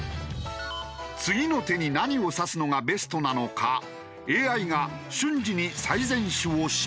次の手に何を指すのがベストなのかＡＩが瞬時に最善手を示す。